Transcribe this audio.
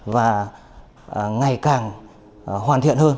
và ngày càng hoàn thiện hơn